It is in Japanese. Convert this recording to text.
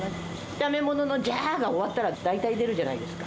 炒め物のじゃーが終わったら、大体、出るじゃないですか。